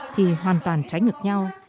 thì hoàn toàn trái ngược nhau